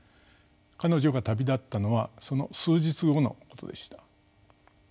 彼女が旅立ったのはその数日後のことでした。